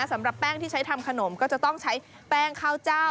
สำหรับแป้งที่ใช้ทำขนมก็จะต้องใช้แป้งข้าวเจ้า